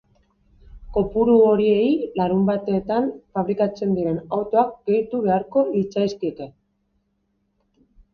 Kopuru horiei larunbatetan fabrikatzen diren autoak gehitu beharko litzaizkieke.